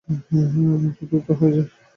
এত দ্রুত হয়ে যায়।